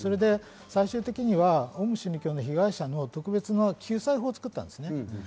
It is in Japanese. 最終的にはオウム真理教の被害者の特別な救済法を作ったんです。